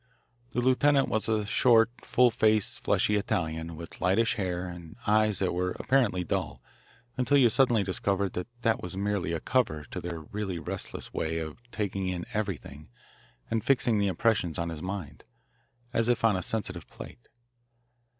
The lieutenant was a short, fullfaced, fleshy Italian, with lightish hair and eyes that were apparently dull, until you suddenly discovered that that was merely a cover to their really restless way of taking in everything and fixing the impressions on his mind, as if on a sensitive plate.